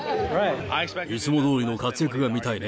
いつもどおりの活躍が見たいね。